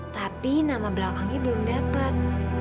tapi nama belakangnya belum dapet